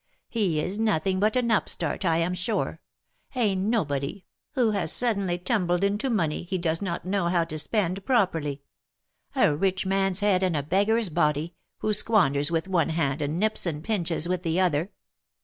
He is nothing but an upstart, I am sure, a nobody, who has suddenly tumbled into money he does not know how to spend properly, a rich man's head and a beggar's body, who squanders with one hand and nips and pinches with the other.